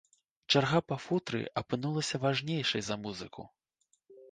Чарга па футры апынулася важнейшай за музыку.